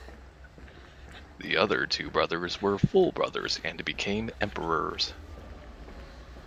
The other two brothers were full brothers and became emperors.